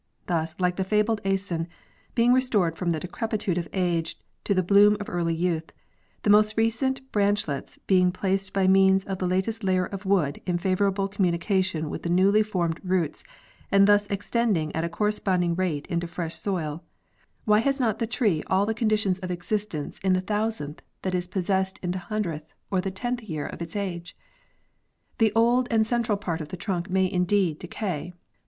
'Thus, like the fabled Aison, being restored from the decrepitude of age to the bloom of early youth, the most recent branchlets being placed by means of the latest layer of wood in favorable communica tion with the newly formed roots.and these extending at a cor responding rate into fresh soil, why has not the tree all the O77 18—Nar. Goa. Maa., von. VI, 1894. (127) 128 B. Eb. Fernow—The Battle of the Forest. conditions of existence in the thousandth that is possessed in the hundredth or the tenth year of its age? "The old and central part of the trunk may, indeed, decay, but.